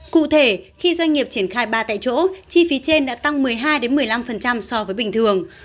cụ thể khi doanh nghiệp triển khai ba tại chỗ chi phí trên đã tăng một mươi hai một mươi năm so với bình thường